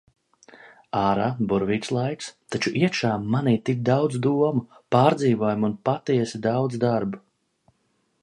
Ārā burvīgs laiks, taču iekšā manī tik daudz domu, pārdzīvojumu un patiesi daudz darbu.